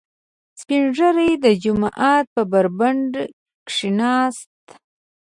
• سپین ږیری د جومات په برنډه کښېناست.